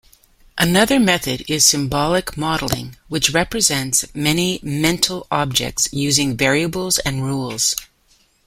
Another method is symbolic modeling, which represents many mental objects using variables and rules.